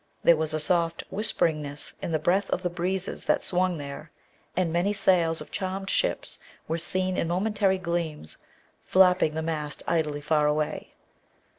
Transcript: There was a soft whisperingness in the breath of the breezes that swung there, and many sails of charmed ships were seen in momentary gleams, flapping the mast idly far away.